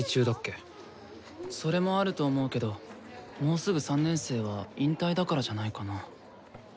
それもあると思うけどもうすぐ３年生は引退だからじゃないかな？